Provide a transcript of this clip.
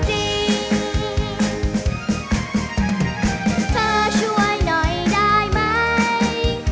เธอช่วยหน่อยได้ไหม